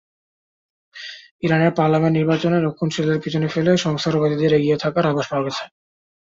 ইরানের পার্লামেন্ট নির্বাচনে রক্ষণশীলদের পেছনে ফেলে সংস্কারবাদীদের এগিয়ে থাকার আভাস পাওয়া গেছে।